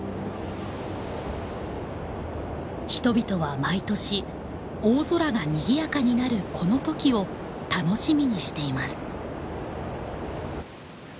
人々は毎年大空がにぎやかになるこの時を楽しみにしています。